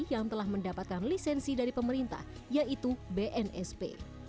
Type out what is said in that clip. yang telah mendapatkan lisensi dari pemerintah yaitu bnsp